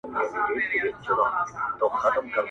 نومونه د تاريخ او حافظې سمبولونه ګرځي دلته ژور,